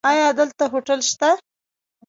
ایا دلته هوټل شته؟